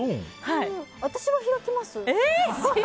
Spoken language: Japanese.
私は開きますよ。